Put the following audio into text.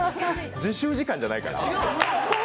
自習時間じゃないから。